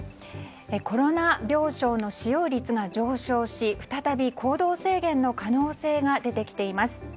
コロナ病床の使用率が上昇し再び行動制限の可能性が出てきています。